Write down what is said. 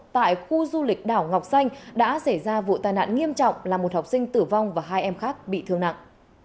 tại khu du lịch đảo ngọc xanh đã xảy ra vụ tai nạn nghiêm trọng làm một học sinh tử vong và hai em khác bị thương nặng